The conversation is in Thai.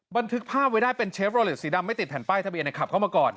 บันทึกภาพไว้ได้เป็นเชฟโรเลสสีดำไม่ติดแผ่นป้ายทะเบียนขับเข้ามาก่อน